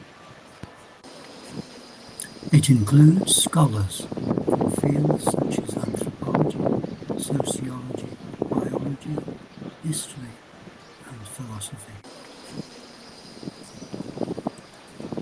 It includes scholars from fields such as anthropology, sociology, biology, history and philosophy.